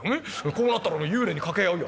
こうなったら幽霊に掛け合うよ